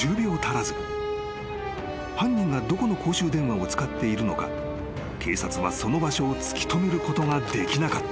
［犯人がどこの公衆電話を使っているのか警察はその場所を突き止めることができなかった］